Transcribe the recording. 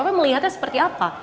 apa melihatnya seperti apa